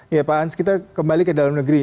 ya pak hans kita kembali ke dalam negeri